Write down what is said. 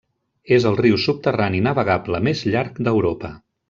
És el riu subterrani navegable més llarg d'Europa.